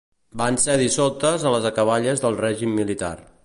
Van ser dissoltes a les acaballes del règim militar.